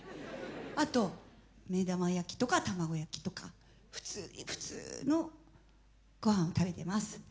あと目玉焼きとか卵焼きとか普通に普通のごはんを食べてます。